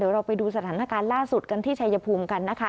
เราไปดูสถานการณ์ล่าสุดกันที่ชายภูมิกันนะคะ